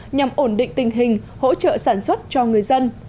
nhằm ổn định tình hình hỗ trợ sản xuất cho người dân